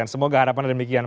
semoga harapan anda demikian